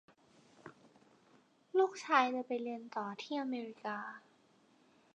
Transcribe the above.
ลูกชายจะไปเรียนต่อที่อเมริกา